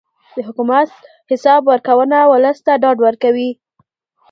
د حکومت حساب ورکونه ولس ته ډاډ ورکوي